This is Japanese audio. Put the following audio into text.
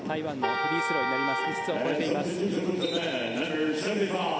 フリースローになります。